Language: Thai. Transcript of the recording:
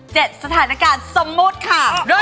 เจ็ดสถานการณ์สมมุตค่ะ